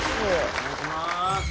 お願いします。